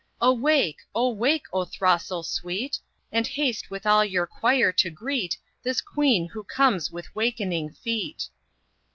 Awake! awake, O throstle sweet! And haste with all your choir to greet This Queen who comes with wakening feet.